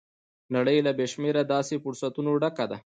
نړۍ له بې شمېره داسې فرصتونو ډکه ده.